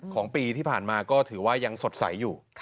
ของปีที่ผ่านมาก็ถือว่ายังสดใสอยู่